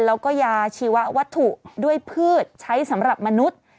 แล้วก็ยาชีวัตถุด้วยพืชใช้สำหรับมนุษย์